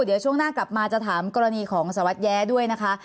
เดี๋ยวช่วงหน้ากลับมาจะถามกรณีของสารวัตรแย้ด้วยนะคะ